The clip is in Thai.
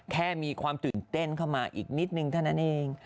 แค่มีความตื่นเต้นเข้ามาอีกนิดนึงเท่านั้นเอง